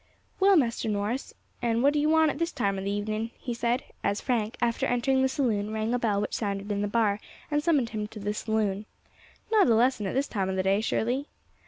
"Well, Master Norris, and what do you want at this time of the morning?" he said, as Frank, after entering the saloon, rang a bell which sounded in the bar and summoned him to the saloon. "Not a lesson at this time of the day, surely?"